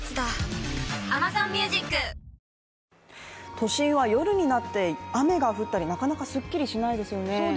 都心は夜になって雨が降ったりなかなかすっきりしないですよね。